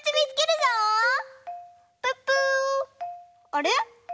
あれ？